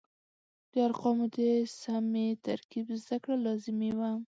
د ارقامو د سمې ترکیب زده کړه لازمه وه.